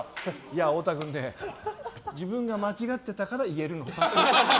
太田君ね、自分が間違ってたから言えるのさって。